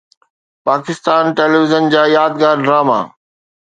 Pakistan television جا يادگار drama